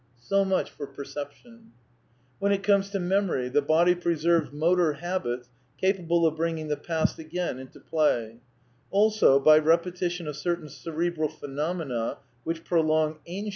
So much for perception. When it comes to memory, the body preserves motor habits capable of bringing the past again into play; also^ by ^^raetition of certain cerebral phenomena which pro long amie